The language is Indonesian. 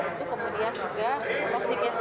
itu kemudian juga oksigen